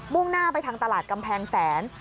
่งหน้าไปทางตลาดกำแพงแสน